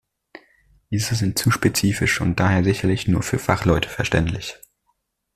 Diese sind zu spezifisch und daher sicherlich nur für Fachleute verständlich.